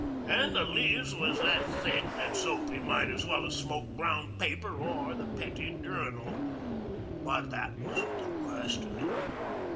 An' the leaves was that thick that Soapy might as well 'ave smoked brown paper or the Pet it Journal. But that wasn't the worst of it.